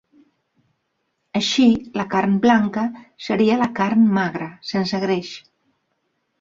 Així, la carn blanca seria la carn magra, sense greix.